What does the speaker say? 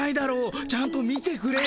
ちゃんと見てくれよ。